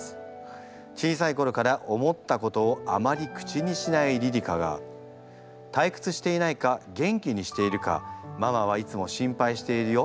小さいころから思ったことをあまり口にしないりり花がたいくつしていないか元気にしているかママはいつも心配しているよ。